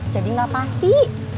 jadi gak pasti